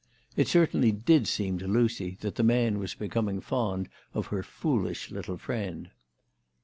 It certainly did seem to Lucy that the man was becoming fond of her foolish little friend.